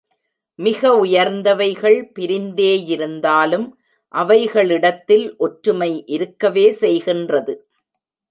மிக உயர்ந்தவைகள் பிரிந்தே யிருந்தாலும் அவைகளிடத்தில் ஒற்றுமை இருக்கவே செய்கின்றது.